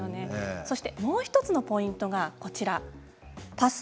もう１つのポイントがこちらです。